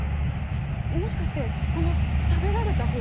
もしかしてこの食べられた方？